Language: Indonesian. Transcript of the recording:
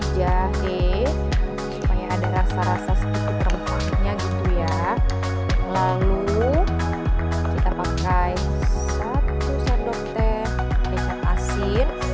jahe supaya ada rasa rasa sedikit rempahnya gitu ya lalu kita pakai satu sendok teh kecap asin